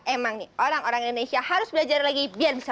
emang nih orang orang indonesia harus belajar lagi biar bisa belajar lagi ya